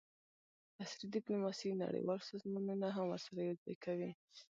عصري ډیپلوماسي نړیوال سازمانونه هم ورسره یوځای کوي